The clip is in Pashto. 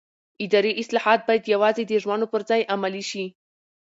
اداري اصلاحات باید یوازې د ژمنو پر ځای عملي شي